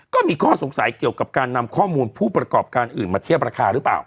ก็มีข้อสงสัยเกี่ยวกับการนำข้อมูลผู้ประกอบการอื่นมาเทียบราคาหรือเปล่า